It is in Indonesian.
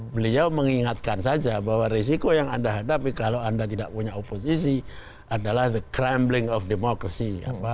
beliau mengingatkan saja bahwa risiko yang anda hadapi kalau anda tidak punya oposisi adalah the crambling of democracy